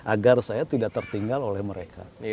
agar saya tidak tertinggal oleh mereka